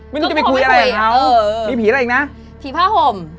ไม่รู้จะไปคุยอะไรกับเขามีผีอะไรอีกนะผีผ้าห่ม